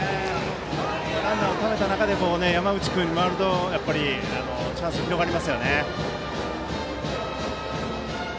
ランナーをためた中で山内君に回るとチャンス広がりますね。